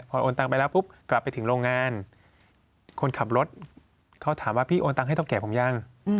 พอโอนตังไปแล้วปุ๊บกลับไปถึงโรงงานคนขับรถเขาถามว่าพี่โอนตังให้เท่าแก่ผมยัง